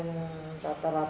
sebagian besar bukan rata rata